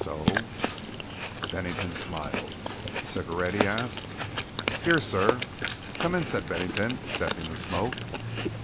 So " Bennington smiled. "Cigarette?" he asked. "Here, sir." "Come in," said Bennington, accepting the smoke.